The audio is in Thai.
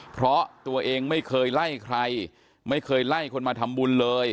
เพราะตัวเองไม่เคยไล่ใครไม่เคยไล่คนมาทำบุญเลย